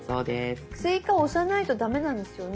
「追加」を押さないと駄目なんですよね？